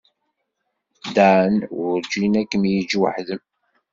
Dan werǧin ad kem-yeǧǧ weḥd-m.